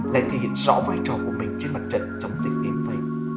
lại thể hiện rõ vai trò của mình trên mặt trận chống dịch đến vậy